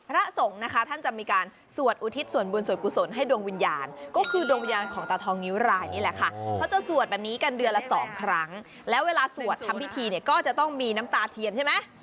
พระสงฆ์นะคะท่านจะมีการสวดอุทิศส่วนบุญส่วนกุศลให้ดวงวิญญาณก็คือดวงวิญญาณของตาทองนิ้วรายนี่แหละค่ะเขาจะสวดแบบนี้กันเดือนละสองครั้งแล้วเวลาสวดทำพิธีเนี่ยก็จะต้องมีน้ำตาเทียนใช่ไหม